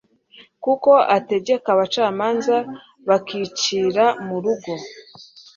kuko ategeka abacamanza bakicira murugo